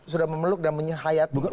sudah memeluk dan menyahayati